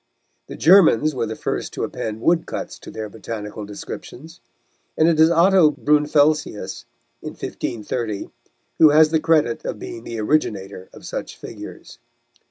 The Germans were the first to append woodcuts to their botanical descriptions, and it is Otto Brunfelsius, in 1530, who has the credit of being the originator of such figures.